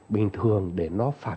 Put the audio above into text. bình thường để nó phát triển